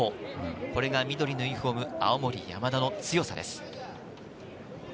これが緑のユニホーム・青森山田の強さです。